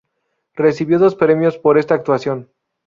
Recibió dos premios por esta actuación.